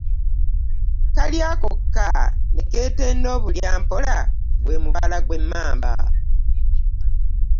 Kalya kokka ne keetenda obulyampola gwe mubala gw'emmamba.